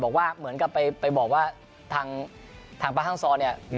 แบบว่าเหมือนกันไปบอกว่าทางพี่พ่อภาพนี้